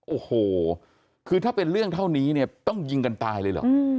โอ้โหคือถ้าเป็นเรื่องเท่านี้เนี่ยต้องยิงกันตายเลยเหรอ